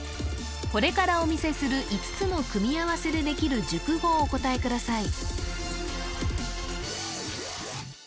これからお見せする５つの組み合わせでできる熟語をお答えください